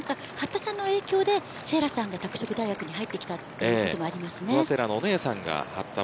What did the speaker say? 八田さんの影響で不破さんが拓殖大学に入ってきたということもあります。